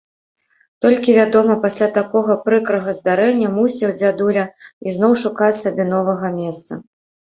Толькі, вядома, пасля такога прыкрага здарэння мусіў дзядуля ізноў шукаць сабе новага месца.